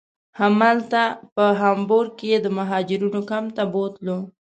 همالته په هامبورګ کې یې د مهاجرینو کمپ ته بوتلو.